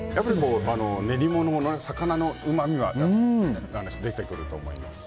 練り物、魚のうまみはやっぱり出てくると思います。